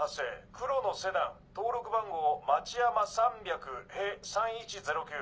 黒のセダン登録番号町山３００へ３１０９。